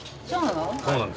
そうなの？